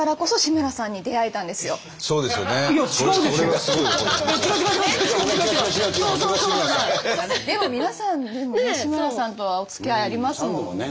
でも皆さんでもね志村さんとはおつきあいありますものね。